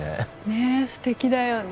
ねえすてきだよね